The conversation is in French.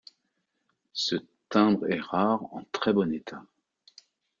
Ce timbre est rare en très bon état.